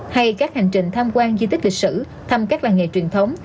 hay các hành trình tham quan di tích lịch sử thăm các làng nghề truyền thống